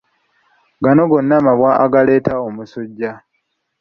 Gano gonna mabwa agaleetebwa omusujja.